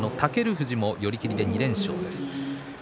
富士も寄り切りで連勝です。